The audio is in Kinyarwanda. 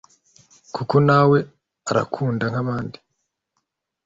kuko nawe arakunda nkabandi